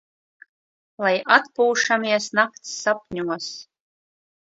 Lai atpūšamies nakts sapņos!